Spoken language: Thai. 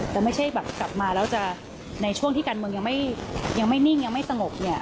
แต่ไม่ใช่แบบกลับมาแล้วจะในช่วงที่การเมืองยังไม่นิ่งยังไม่สงบเนี่ย